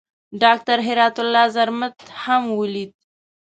ډاکټر هرات الله زرمت هم ولید.